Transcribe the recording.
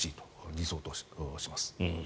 理想とします。